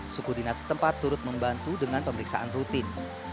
suku dinas tempat turut membantu dengan pemeriksaan rutin